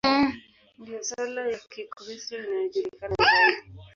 Ndiyo sala ya Kikristo inayojulikana zaidi.